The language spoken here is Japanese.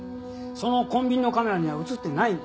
そのコンビニのカメラには映ってないんだ。